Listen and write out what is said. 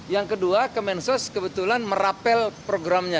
yang kedua kemensos kebetulan merapel programnya